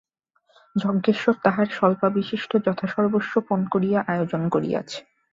যজ্ঞেশ্বর তাহার স্বল্পাবিশিষ্ট যথাসর্বস্ব পণ করিয়া আয়োজন করিয়াছে।